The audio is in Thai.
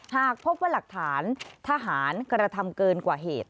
หากพบว่าหลักฐานทหารกระทำเกินกว่าเหตุ